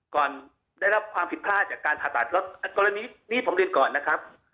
ก่อนได้รับความผิดพลาดจากการผ่าตัดกรณีนี้ผมเรียนก่อนนะครับ